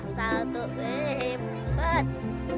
satu dua empat